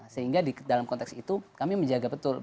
sehingga di dalam konteks itu kami menjaga betul